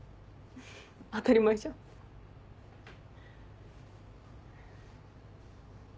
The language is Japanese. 当たり前じゃん。